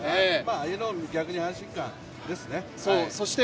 ああいうのが逆に安心感ですね。